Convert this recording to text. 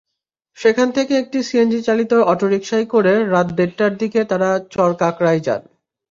সেখান থেকে একটি সিএনজিচালিত অটোরিকশায় করে রাত দেড়টার দিকে তাঁরা চরকাঁকড়ায় যান।